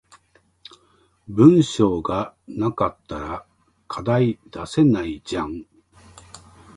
文章が無かったら課題出せないじゃん